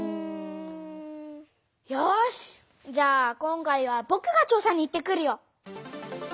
よしじゃあ今回はぼくが調さに行ってくるよ！